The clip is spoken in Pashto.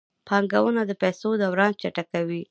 بانکونه د پیسو دوران چټکوي.